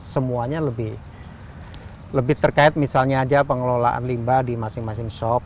semuanya lebih terkait misalnya aja pengelolaan limba di masing masing shop